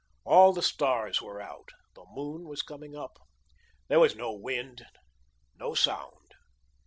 All the stars were out. The moon was coming up. There was no wind, no sound.